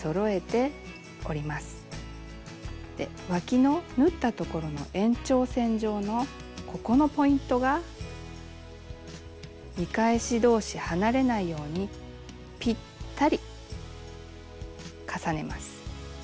でわきの縫ったところの延長線上のここのポイントが見返し同士離れないようにぴったり重ねます。